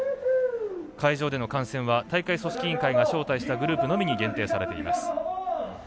会場での観戦は大会組織委員会が招待したグループのみに限定されています。